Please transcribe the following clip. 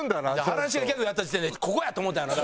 原西がギャグやった時点でここやと思ったんやろうな。